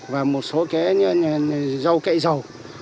và một số cái rau cải giàu